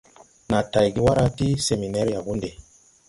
Nàa tayge wara ti seminɛr Yawunde.